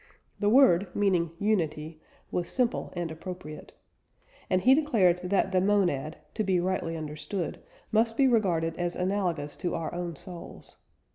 The word, meaning "unity," was simple and appropriate. And he declared that the "monad," to be rightly understood, must be regarded as analogous to our own souls.